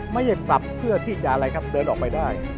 ไม่ได้ปรับเพื่อที่จะอะไรครับเดินออกไปได้